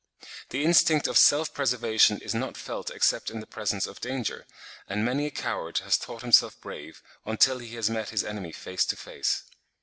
The instinct of self preservation is not felt except in the presence of danger; and many a coward has thought himself brave until he has met his enemy face to face.